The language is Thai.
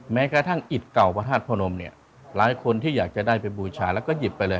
แม้กระทั่งอิตเก่าพระธาตุพระนมเนี่ยหลายคนที่อยากจะได้ไปบูชาแล้วก็หยิบไปเลย